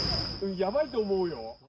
やばいと思うよ。